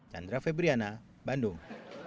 chandra febriana bandung